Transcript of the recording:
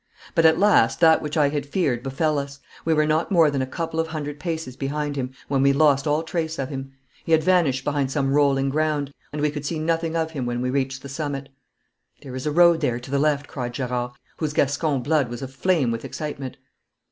But at last that which I had feared befell us. We were not more than a couple of hundred paces behind him when we lost all trace of him. He had vanished behind some rolling ground, and we could see nothing of him when we reached the summit. 'There is a road there to the left,' cried Gerard, whose Gascon blood was aflame with excitement.